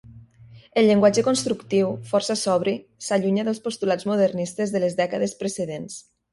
El llenguatge constructiu, força sobri, s'allunya dels postulats modernistes de les dècades precedents.